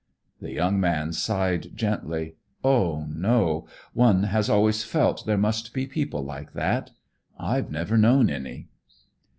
The young man sighed gently. "Oh, no! One has always felt there must be people like that. I've never known any."